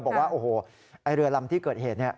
บอกว่าโอ้โหไอ้เรือลำที่เกิดเหตุเนี่ย